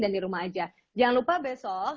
dan di rumah aja jangan lupa besok